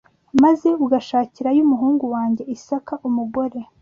maze ugashakirayo umuhungu wanjye Isaka umugore